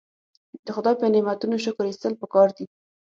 د خدای په نعمتونو شکر ایستل پکار دي.